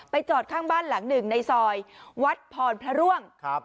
จอดข้างบ้านหลังหนึ่งในซอยวัดพรพระร่วงครับ